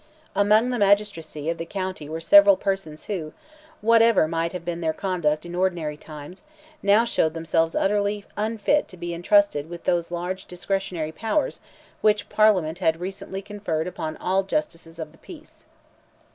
Among the magistracy of the county were several persons who, whatever might have been their conduct in ordinary times, now showed themselves utterly unfit to be entrusted with those large discretionary powers which Parliament had recently conferred upon all justices of the peace.